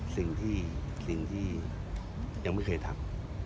สิ่งที่สิ่งที่ยังไม่เคยทำ